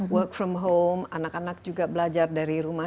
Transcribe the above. work from home anak anak juga belajar dari rumah